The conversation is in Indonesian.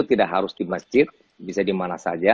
tidak harus di masjid bisa dimana saja